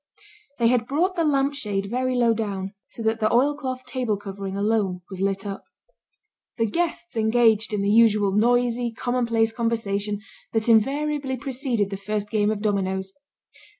They had brought the lamp shade very low down, so that the oilcloth table covering alone was lit up. The guests engaged in the usual noisy, common place conversation that invariably preceded the first game of dominoes.